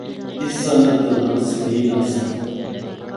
اس سند دا ناں ’سنینن‘ آسا۔